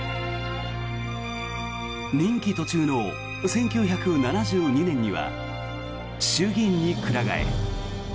任期途中の１９７２年には衆議院にくら替え。